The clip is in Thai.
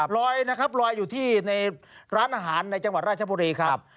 ลอยนะครับลอยอยู่ที่ในร้านอาหารในจังหวัดราชบุรีครับ